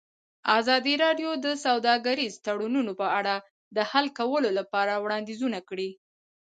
ازادي راډیو د سوداګریز تړونونه په اړه د حل کولو لپاره وړاندیزونه کړي.